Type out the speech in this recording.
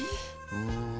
うん。